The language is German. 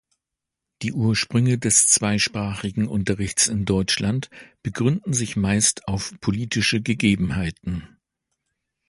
Die Ursprünge des zweisprachigen Unterrichts in Deutschland begründen sich meist auf politische Gegebenheiten.